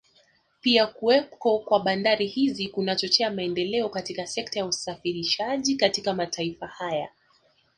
Pia kuwepo kwa bandari hizi kunachochea maendeleo katika sekta ya usafirishaji katika mataifa haya